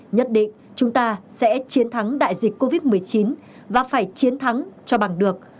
nhất định chúng ta sẽ chiến thắng đại dịch covid một mươi chín và phải chiến thắng cho bằng được